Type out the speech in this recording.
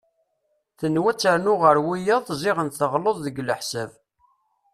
Tenwa ad ternu ɣer wiyaḍ ziɣen teɣleḍ deg leḥsab.